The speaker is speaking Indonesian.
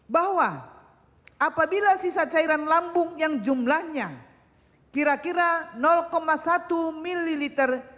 bahwa apabila sisa cairan lambung yang jumlahnya kira kira satu mililiter